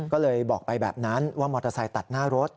ก็เลยบอกไปแบบนั้นว่ามอเตอร์ไซค์ตัดหน้ารถ